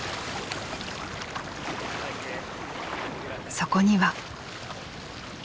そこには。